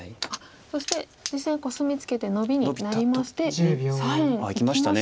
そして実戦コスミツケてノビになりまして左辺いきましたね。